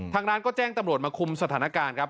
ทางร้านก็แจ้งตำรวจมาคุมสถานการณ์ครับ